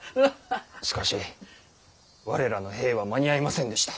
しかし我らの兵は間に合いませんでした。